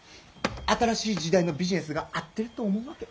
新しい時代のビジネスが合ってると思うわけ。